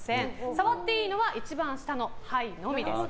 触っていいのは一番下の牌のみです。